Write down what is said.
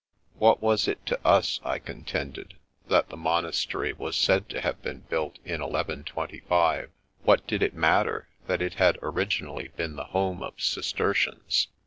What was it to us, I contended, that the monastery was said to have been built in 1125? What did it matter that it had originally been the home of Cistercians?